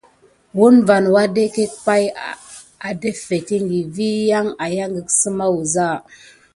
Woun van wadeket pay adaffetiŋgi vi yan ayangek səma wuza.